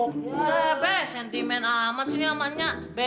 wah be sentimen amat sih ini amannya be